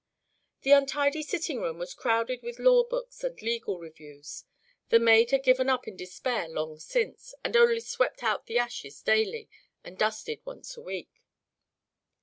The untidy sitting room was crowded with law books and legal reviews; the maid had given it up in despair long since, and only swept out the ashes daily and dusted once a week.